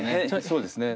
そうですね。